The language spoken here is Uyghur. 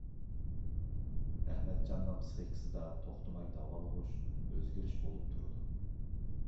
رەھمەتجاننىڭ پىسخىكىسىدا توختىماي داۋالغۇش، ئۆزگىرىش بولۇپ تۇرىدۇ.